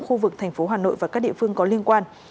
khu vực thành phố hà nội và các địa phương có liên quan